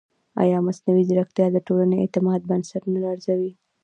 ایا مصنوعي ځیرکتیا د ټولنیز اعتماد بنسټ نه لړزوي؟